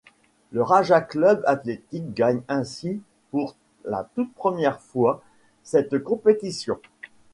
Le Raja Club Athletic gagne ainsi pour la toute première fois cette compétition.